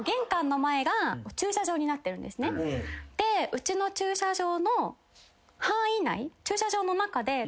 うちの駐車場の範囲内。